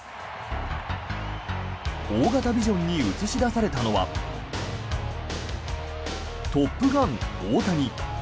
大型ビジョンに映し出されたのはトップガン・大谷。